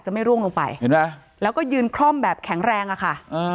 ไม่ร่วงลงไปเห็นไหมแล้วก็ยืนคล่อมแบบแข็งแรงอะค่ะ